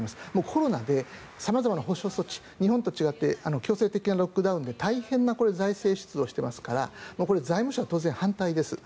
コロナで様々な補償措置日本と違って強制的なロックダウンで大変な財政出動をしていますからこれ、財務省は当然、反対です。